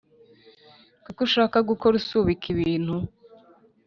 Kuki ushaka guhora usubika ibintu